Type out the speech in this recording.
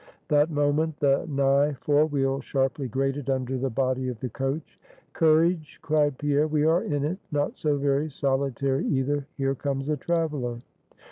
That moment the nigh fore wheel sharply grated under the body of the coach. "Courage!" cried Pierre, "we are in it! Not so very solitary either; here comes a traveler."